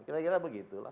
kira kira begitu lah